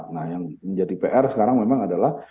nah yang menjadi pr sekarang memang adalah